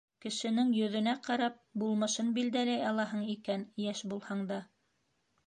Кешенең йөҙөнә ҡарап булмышын билдәләй алаһың икән йәш булһаң да...